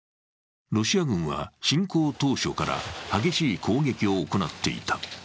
ロシア軍は侵攻当初から激しい攻撃を行っていた。